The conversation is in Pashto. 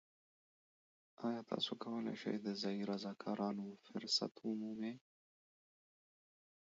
ایا تاسو کولی شئ د ځایی رضاکارانه فرصت ومومئ؟